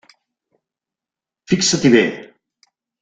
Fixa-t'hi bé.